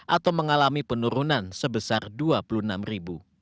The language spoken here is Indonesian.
atau mengalami penurunan sebesar rp dua puluh enam